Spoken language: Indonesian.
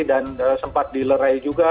dan sempat di lerai juga